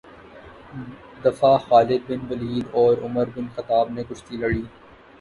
دفعہ Khalid bin Walid اور Umar bin Khattab نے کشتی لڑی